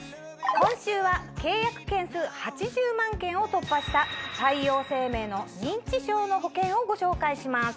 今週は契約件数８０万件を突破した太陽生命の認知症の保険をご紹介します。